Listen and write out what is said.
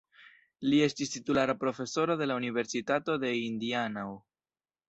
Li estis titulara profesoro de Universitato de Indianao.